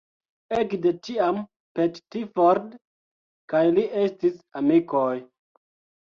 Ekde tiam Pettiford kaj li estis amikoj.